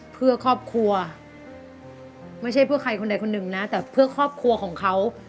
เพื่อครอบครัวไม่ใช่เพื่อใครคนใดคนหนึ่งนะแต่เพื่อครอบครัวของเขา